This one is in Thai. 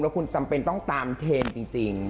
คุณจำเป็นต้องตามเทรนด์จริง